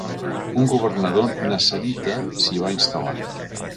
Un governador nassarita s'hi va instal·lar.